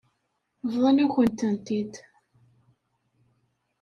Bḍan-akent-tent-id.